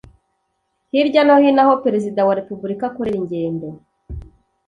Hirya no hino aho Perezida wa Repubulika akorera ingendo